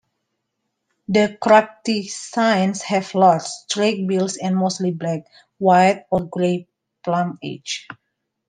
The cracticines have large, straight bills and mostly black, white or grey plumage.